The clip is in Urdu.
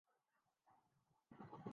پن ین کی چھٹنی کی ترتیب